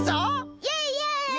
イエイイエイ！